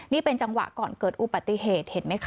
นี่เป็นจังหวะก่อนเกิดอุปติเหตุ